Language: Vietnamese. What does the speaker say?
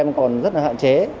thường rất là hạn chế